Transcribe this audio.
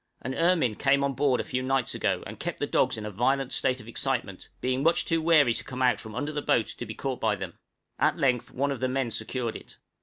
An ermine came on board a few nights ago and kept the dogs in a violent state of excitement, being much too wary to come out from under the boat to be caught by them; at length one of the men secured it.